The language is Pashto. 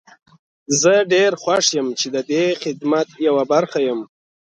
زه ډير خوښ يم چې ددې خدمت يوه برخه يم.